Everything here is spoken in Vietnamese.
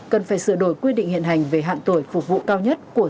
cần phải sửa đổi quy định hiện hành về hạn tuổi phục vụ cao nhất của sĩ công an